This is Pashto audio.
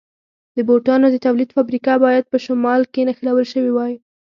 د بوټانو د تولید فابریکه باید په شمال کې نښلول شوې وای.